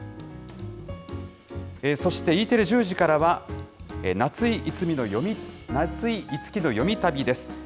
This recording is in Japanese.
そして、Ｅテレ、１０時からは夏井いつきのよみ旅！です。